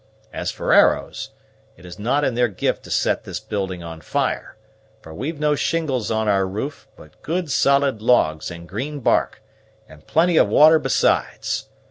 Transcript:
As for arrows, it is not in their gift to set this building on fire, for we've no shingles on our roof, but good solid logs and green bark, and plenty of water besides.